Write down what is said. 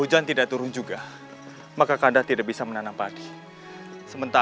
sampai jumpa di video selanjutnya